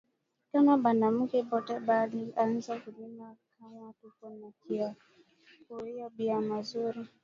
Kama banamuke bote bari Anza kurima kama tuko na biakuria bia muzuri